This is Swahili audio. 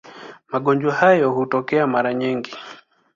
Magonjwa hayo hutokea mara nyingi.